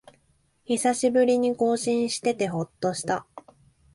久しぶりに更新しててほっとした